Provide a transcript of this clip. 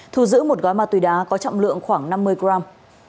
thu giữ một gói ma túy đá có trọng lượng khoảng năm mươi gram